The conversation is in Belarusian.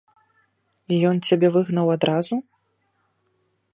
Ён цябе выгнаў адразу?